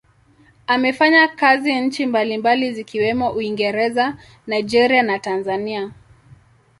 Amefanya kazi nchi mbalimbali zikiwemo Uingereza, Nigeria na Tanzania.